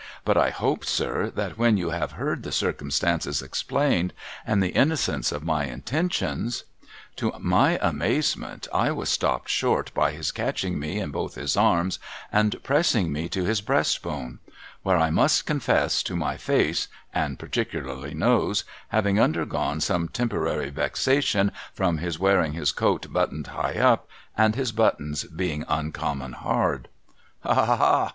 But I hope, sir, that when you have heard the circumstances explained, and the innocence of my intentions ' To my amazement, I was stopped short by his catching me in both his arms, and pressing me to his breast bone ; where I must confess to my face (and particular, nose) having undergone some temporary vexation from his wearing his coat buttoned high up, and his buttons being uncommon hard. ' Ha, ha, ha